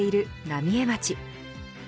浪江町。